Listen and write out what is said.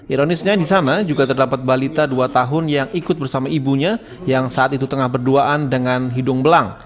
ironisnya di sana juga terdapat balita dua tahun yang ikut bersama ibunya yang saat itu tengah berduaan dengan hidung belang